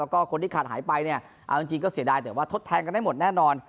ก็เสียดายแต่ว่าทดแทงกันได้หมดแน่นอน